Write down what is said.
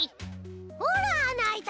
ほらあなあいた！